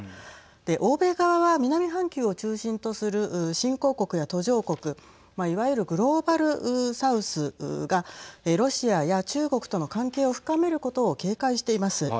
欧米側は南半球を中心とする新興国や途上国いわゆるグローバル・サウスがロシアや中国との関係を深めることをはい。